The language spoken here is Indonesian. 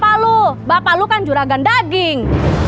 pak lu bapak lu kan juragan daging